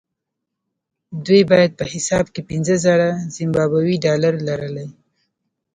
دوی باید په حساب کې پنځه زره زیمبابويي ډالر لرلای.